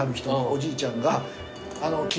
おじいちゃんが。